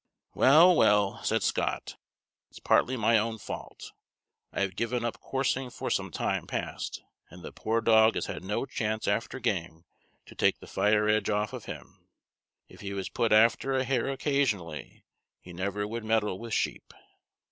"Well, well," said Scott, "it's partly my own fault. I have given up coursing for some time past, and the poor dog has had no chance after game to take the fire edge off of him If he was put after a hare occasionally he never would meddle with sheep."